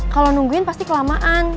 kalau nungguin pasti kelamaan